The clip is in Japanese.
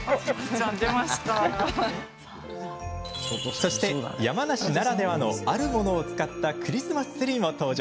そして、山梨ならではのあるものを使ったクリスマスツリーも登場。